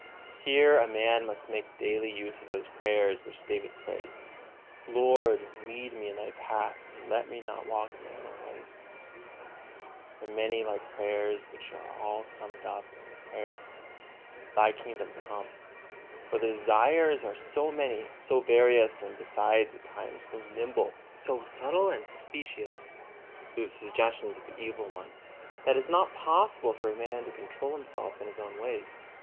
Here a man must make daily use of those prayers which David prays: "Lord, lead me in Thy path, and let me not walk in my own ways," and many like prayers, which are all summed up in the prayer, "Thy kingdom come." For the desires are so many, so various, and besides at times so nimble, so subtile and specious, through the suggestions of the evil one, that it is not possible for a man to control himself in his own ways.